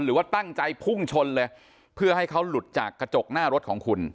หรือว่าตั้งใจพุ่งชนเลยเพื่อให้เขาหลุดจากกระจกหน้ารถของคุณ